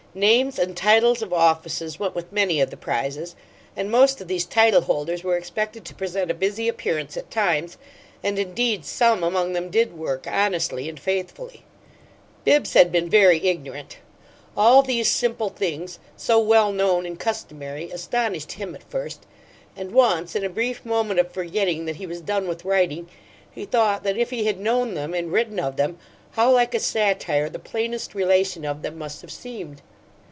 Names and titles of offices went with many of the prizes, and most of these title holders were expected to present a busy appearance at times; and, indeed, some among them did work honestly and faithfully. Bibbs had been very ignorant. All these simple things, so well known and customary, astonished him at first, and once in a brief moment of forgetting that he was done with writing he thought that if he had known them and written of them, how like a satire the plainest relation of them must have seemed!